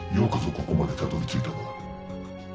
ここまでたどりついたな。